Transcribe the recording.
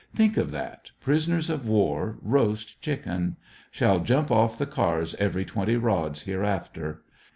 Think of that, prisoners of war, roast chicken! Shall jump off the cars every twenty rods hereafter.